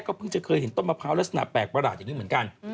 เพิ่งจะเคยเห็นต้นมะพร้าวลักษณะแปลกประหลาดอย่างนี้เหมือนกัน